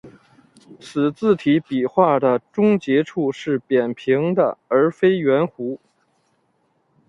此字体笔画的终结处是扁平的而非圆弧。